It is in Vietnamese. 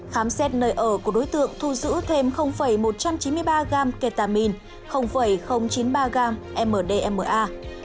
khám xét nơi ở của đối tượng thu giữ thêm một trăm chín mươi ba gram ketamine chín mươi ba gram mdma